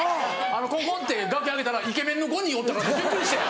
コンコンって楽屋開けたらイケメンの５人おったからびっくりして。